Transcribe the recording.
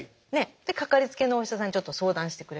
でかかりつけのお医者さんにちょっと相談してくれるとか。